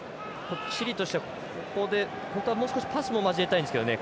チリとしてはここで本当はパスも交えたいんですけどね。